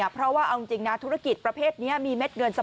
เพราะว่าเอาจริงนะธุรกิจประเภทนี้